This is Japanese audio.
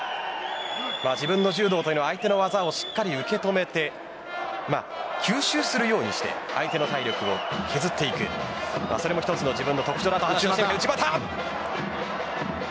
自分の柔道は相手の技をしっかり受け止めて吸収するようにして相手の体力を削っていくというのもそれも自分の一つの特徴だと話していました。